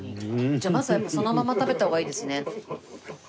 じゃあまずはやっぱそのまま食べた方がいいですね。